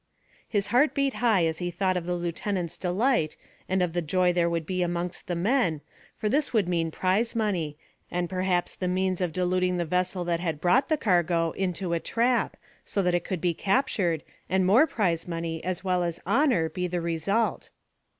His heart beat high as he thought of the lieutenant's delight, and of the joy there would be amongst the men, for this would mean prize money, and perhaps the means of deluding the vessel that had brought the cargo into a trap, so that it could be captured, and more prize money as well as honour be the result.